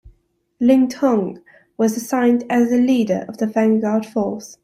Ling Tong was assigned as the leader of the vanguard force.